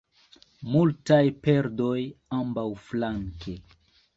Multaj perdoj ambaŭflanke.